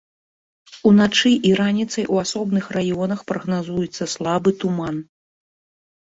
Уначы і раніцай у асобных раёнах прагназуецца слабы туман.